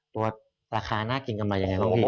ตัวราคาน่ากินกำไรอย่างไรครับพี่